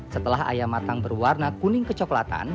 setelah ayam matang berwarna kuning kecoklatan